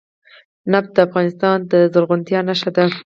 نفت د افغانستان د زرغونتیا نښه ده.